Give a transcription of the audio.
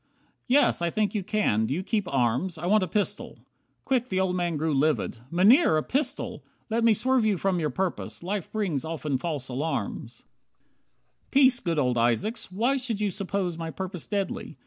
"Yes, I think you can. Do you keep arms? I want a pistol." Quick the old man grew Livid. "Mynheer, a pistol! Let me swerve You from your purpose. Life brings often false alarms " 63 "Peace, good old Isaacs, why should you suppose My purpose deadly.